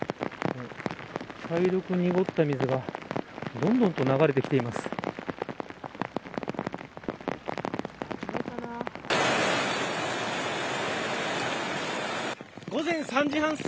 茶色く濁った水がどんどんと流れてきています。